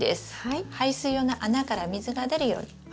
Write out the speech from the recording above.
排水用の穴から水が出るように。